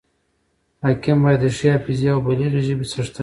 حاکم باید د ښې حافظي او بلیغي ژبي څښتن يي.